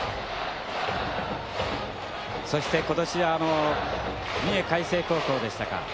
そして今年三重海星高校でしたか？